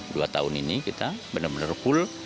dua tahun ini kita benar benar full